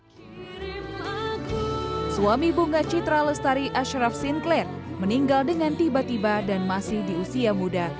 hai suami bunga citra lustari ashraf sinclair meninggal dengan tiba tiba dan masih di usia muda